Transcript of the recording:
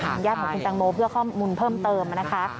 ญาติของคุณแตงโมเพื่อข้อมูลเพิ่มเติมนะคะ